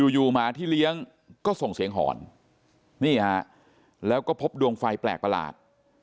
อยู่หมาที่เลี้ยงก็ส่งเสียงหอนนี่ฮะแล้วก็พบดวงไฟแปลกประหลาด